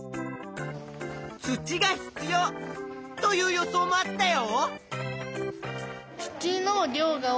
「土が必要」という予想もあったよ。